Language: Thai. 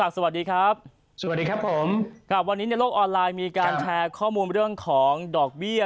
สวัสดีครับวันนี้ในโลกออนไลน์มีการแชร์ข้อมูลเรื่องของดอกเบี้ย